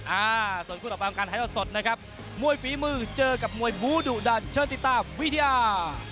อ่าส่วนคู่ต่อไปของการถ่ายทอดสดนะครับมวยฝีมือเจอกับมวยบูดุดันเชิญติดตามวิทยา